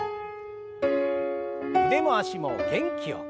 腕も脚も元気よく。